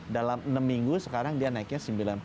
dalam enam minggu sekarang dia naiknya sembilan puluh sembilan